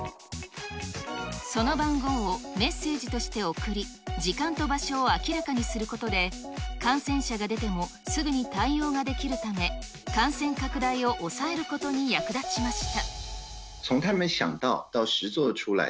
その番号をメッセージとして送り、時間と場所を明らかにすることで、感染者が出てもすぐに対応ができるため、感染拡大を抑えることに役立ちました。